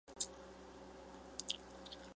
状况只会越来越糟糕